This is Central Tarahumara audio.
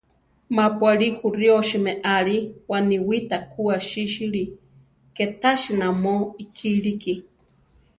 Ma-pu aʼlí juríosi meʼali, waniwíta ku asísili, ké tási namó ikíliki.